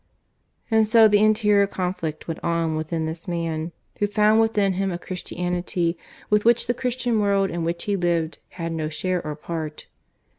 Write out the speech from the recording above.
And so the interior conflict went on within this man, who found within him a Christianity with which the Christian world in which he lived had no share or part.